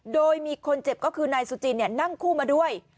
โดยมีคนเจ็บก็คือนายสุจินนั่งคู่มาด้วย